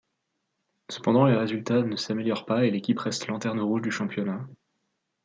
Cependant, les résultats ne s’améliorent pas et l'équipe reste lanterne rouge du championnat.